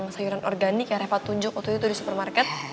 sayuran organik yang reva tunjuk waktu itu di supermarket